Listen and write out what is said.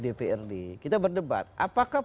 dprd kita berdebat apakah